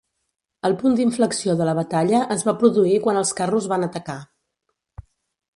El punt d'inflexió de la batalla es va produir quan els carros van atacar.